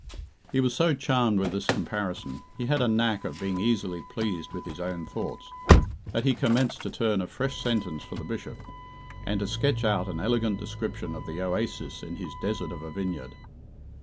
He was so charmed with this comparison he had a knack of being easily pleased with his own thoughts that he commenced to turn a fresh sentence for the Bishop, and to sketch out an elegant description of the oasis in his desert of a vineyard.